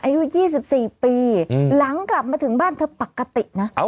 อายุ๒๔ปีหลังกลับมาถึงบ้านเธอปกตินะ